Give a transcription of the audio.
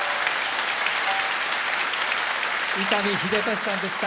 伊丹秀敏さんでした。